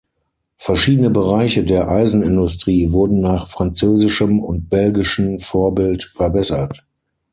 Verschiedene Bereiche der Eisenindustrie wurden nach französischem und belgischen Vorbild verbessert.